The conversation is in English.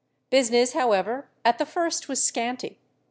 Business, however, at the first was scanty.